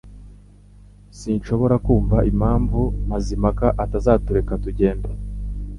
Sinshobora kumva impamvu Mazimpaka atazatureka tugenda